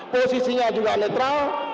posisinya juga netral